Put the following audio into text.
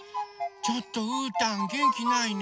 ちょっとうーたんげんきないね。